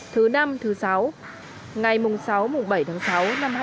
thứ năm thứ sáu ngày sáu bảy tháng sáu năm hai nghìn một mươi chín